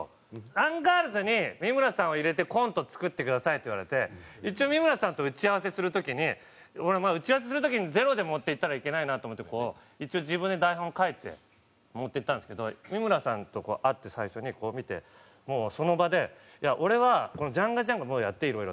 アンガールズに三村さんを入れてコント作ってくださいって言われて一応三村さんと打ち合わせする時に俺打ち合わせする時にゼロで持っていったらいけないなと思って一応自分で台本を書いて持っていったんですけど三村さんと会って最初にこう見てその場で「俺はジャンガジャンガやっていろいろと」。